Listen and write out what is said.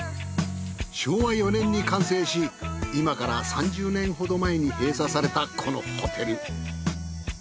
昭和４年に完成し今から３０年ほど前に閉鎖されたこのホテル。